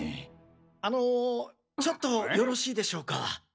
あのちょっとよろしいでしょうか？